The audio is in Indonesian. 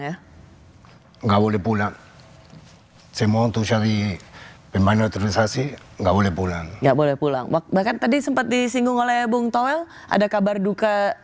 nggak boleh pulang bahkan tadi sempat disinggung oleh bung toel ada kabar duka